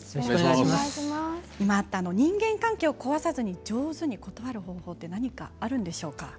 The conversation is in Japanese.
人間関係を壊さずに上手に断る方法は何かあるんでしょうか。